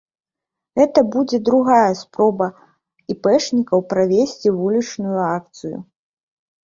Гэта будзе другая спроба іпэшнікаў правесці вулічную акцыю.